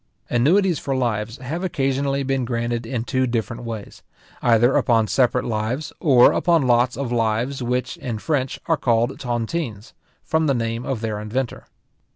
Annuities for lives have occasionally been granted in two different ways; either upon separate lives, or upon lots of lives, which, in French, are called tontines, from the name of their inventor.